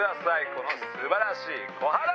この素晴らしいコハダ！